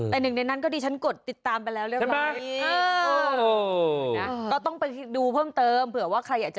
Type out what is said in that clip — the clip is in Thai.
แต่หนึ่งในนั้นก็ดิฉันกดติดตามไปแล้วเรียบร้อย